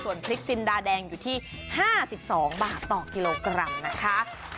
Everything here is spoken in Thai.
ส่วนพริกจินดาแดงอยู่ที่๕๒บาทต่อกิโลกรัมนะคะ